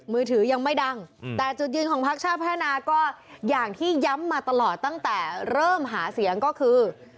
มือถือยังไม่ดังแต่จุดยืนของพักชาติพัฒนาก็อย่างที่ย้ำมาตลอดตั้งแต่เริ่มหาเสียงก็คือ